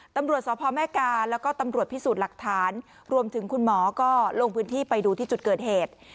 ตำรวจสพแม่กาแล้วก็ตำรวจพิสูจน์หลักฐานรวมถึงคุณหมอก็ลงพื้นที่ไปดูที่จุดเกิดเหตุ